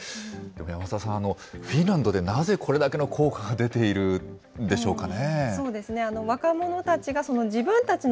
山澤さん、フィンランドでなぜこれだけの効果が出ているんでしょうかね。